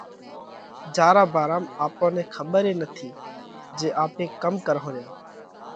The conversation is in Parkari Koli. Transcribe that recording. جيا را ڀارام آپون نئہ کٻر ئي نٿِي جي آپي ڪم ڪرونه ريا؟